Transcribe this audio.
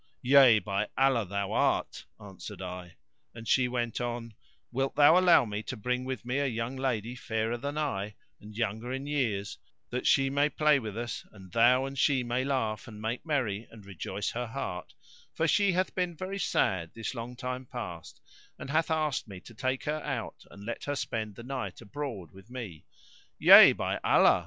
"Yea, by Allah thou art!" answered I, and she went on, "Wilt thou allow me to bring with me a young lady fairer than I, and younger in years, that she may play with us and thou and she may laugh and make merry and rejoice her heart, for she hath been very sad this long time past, and hath asked me to take her out and let her spend the night abroad with me?" "Yea, by Allah!"